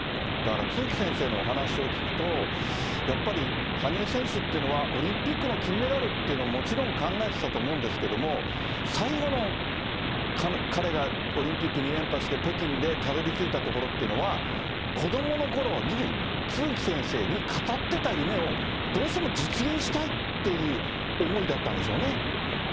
だから、都築先生のお話を聞くと、やっぱり羽生選手っていうのは、オリンピックの金メダルっていうのももちろん考えてたと思うんですけど、最後の、彼がオリンピック２連覇して、北京でたどりついたところというのは、子どものころに都築先生に語ってた夢を、どうしても実現したいっていう思いだったんでしょうね。